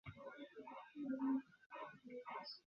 আমাদেরকে বোকা বানিয়ে নিজে হিরো সাজা যাবে না।